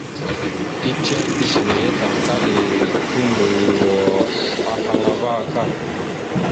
Ticeŋ izəne ya daŋkali ka tondoyoro ahaŋ ava aka.